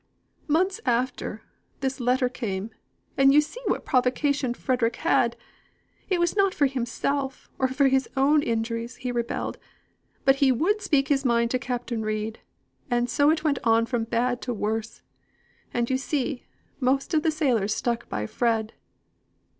Months after, this letter came, and you see what provocation Frederick had. It was not for himself, or his own injuries, he rebelled; but he would speak his mind to Captain Reid, and so it went on from bad to worse; and you see, most of the sailors stuck by Frederick."